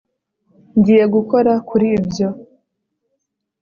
Ngiye gukora kuri ibyo